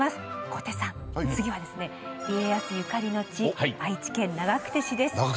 小手さん、次は家康ゆかりの地愛知県長久手市です。